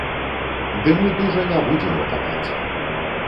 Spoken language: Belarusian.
Ды мы дужа не будзем лапатаць.